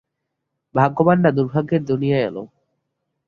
ভাগ্যবানরা দুর্ভাগ্যের দুনিয়ায় এলে।